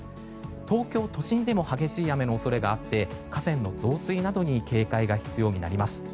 東京都心でも激しい雨の恐れがあって河川の増水などに警戒が必要になります。